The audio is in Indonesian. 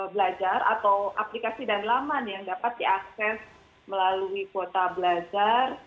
belajar atau aplikasi dan laman yang dapat diakses melalui kuota belajar